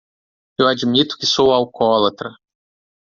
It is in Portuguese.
Eu admito que sou alcoólatra.